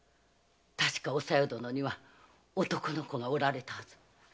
確かお小夜殿には男の子がおられたはず。